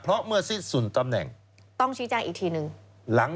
เพราะเมื่อซิ่งสุดตำแหน่ง